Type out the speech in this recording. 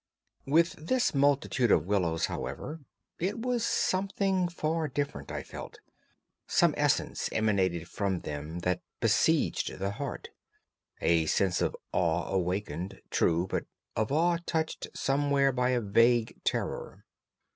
With this multitude of willows, however, it was something far different, I felt. Some essence emanated from them that besieged the heart. A sense of awe awakened, true, but of awe touched somewhere by a vague terror.